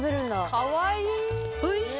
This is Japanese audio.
かわいい！